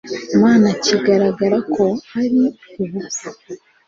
Mana kigaragara ko ari ubupfu